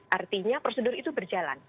artinya prosedur itu berjalan